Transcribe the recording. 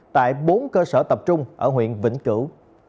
tại bốn cơ sở tập trung ở huyện vĩnh cửu